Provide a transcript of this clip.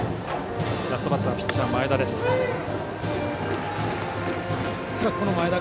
ラストバッターピッチャーの前田。